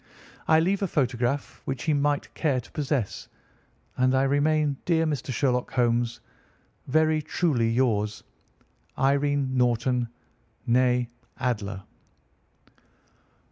I leave a photograph which he might care to possess; and I remain, dear Mr. Sherlock Holmes, "Very truly yours, "IRENE NORTON, née ADLER."